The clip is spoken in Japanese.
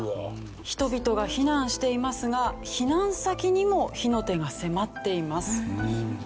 人々が避難していますが避難先にも火の手が迫っています。